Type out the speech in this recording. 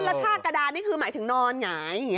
แล้วละท่ากระดานนี่คือหมายถึงนอนไง